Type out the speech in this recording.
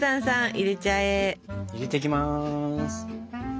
入れてきます！